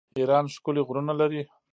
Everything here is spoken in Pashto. ایران ښکلي غرونه لري.